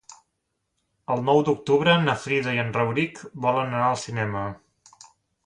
El nou d'octubre na Frida i en Rauric volen anar al cinema.